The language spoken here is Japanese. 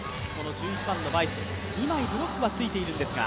１１番のバイス、二枚ブロックはついているんですが。